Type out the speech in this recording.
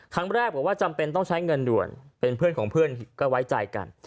บอกว่าจำเป็นต้องใช้เงินด่วนเป็นเพื่อนของเพื่อนก็ไว้ใจกัน